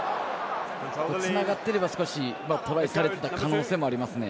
つながっていればトライされていた可能性もありますね。